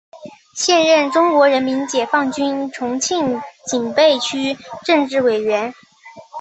现任中国人民解放军重庆警备区政治委员。